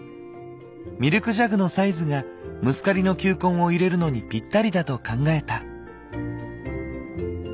ミルクジャグのサイズがムスカリの球根を入れるのにぴったりだと考えた。